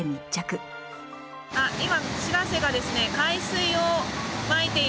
今。